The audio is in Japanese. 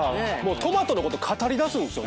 トマトのこと語りだすんですよ。